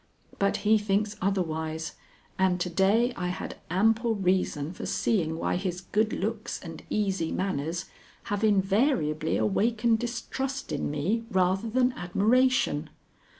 But he thinks otherwise, and to day I had ample reason for seeing why his good looks and easy manners have invariably awakened distrust in me rather than admiration.